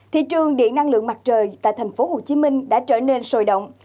thị trường điện năng lượng mặt trời tại thành phố hồ chí minh đã trở nên sồi động